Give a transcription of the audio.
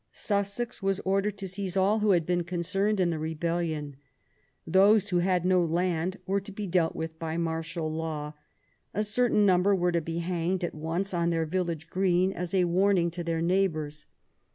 Sussex was ordered to seize all who had been concerned in the rebellion. Those who had no land were to be dealt with by martial law; a certain number were to be hanged at once on their village green, as a warning to their neighbours.